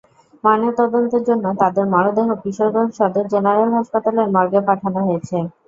ময়নাতদন্তের জন্য তাঁদের মরদেহ কিশোরগঞ্জ সদর জেনারেল হাসপাতালের মর্গে পাঠানো হয়েছে।